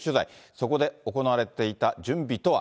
そこで行われていた準備とは。